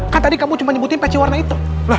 kan tadi kamu cuma nyebutin peci warna itu